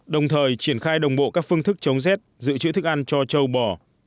đồng thời triển khai đồng bộ các phương thức chống rét giữ chữ thức ăn cho châu bò